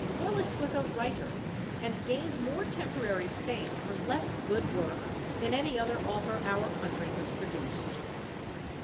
Willis was a writer; and gained more temporary fame for less good work than any other author our country has produced.